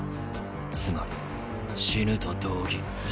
つまり死ぬと同義。